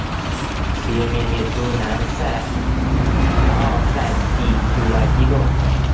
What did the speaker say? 此页面列出南奥塞梯驻外机构。